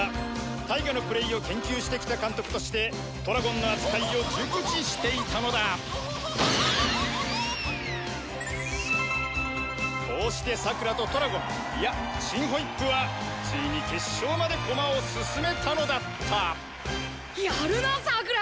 タイガのプレイを研究してきた監督としてトラゴンの扱いを熟知していたのだこうしてさくらとトラゴンいや真ホイップはついに決勝まで駒を進めたのだったやるなさくら。